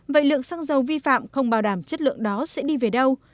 vậy lượng xăng dầu vi phạm không bảo đảm chất lượng đó sẽ đi về đâu